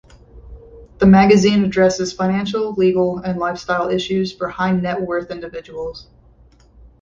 The magazine addresses financial, legal and lifestyle issues for high-net-worth individuals.